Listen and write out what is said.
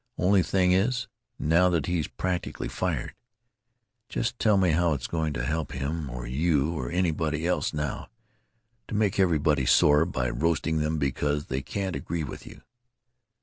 Only thing is, now that he's practically fired, just tell me how it's going to help him or you or anybody else, now, to make everybody sore by roasting them because they can't agree with you.